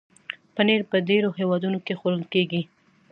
پنېر په ډېرو هېوادونو کې خوړل کېږي.